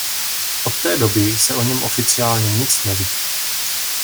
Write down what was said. Od té doby se o něm oficiálně nic neví.